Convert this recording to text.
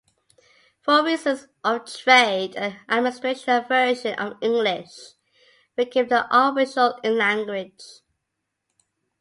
For reasons of trade and administration, a version of English became the official language.